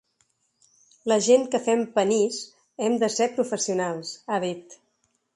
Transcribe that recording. “La gent que fem panís hem de ser professionals”, ha dit.